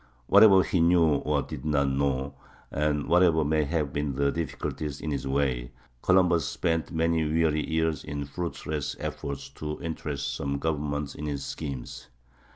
Whatever he knew or did not know, and whatever may have been the difficulties in his way, Columbus spent many weary years in fruitless efforts to interest some government in his schemes.